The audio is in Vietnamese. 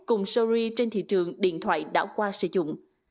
cùng sori trên thị trường điện thoại đã qua sử dụng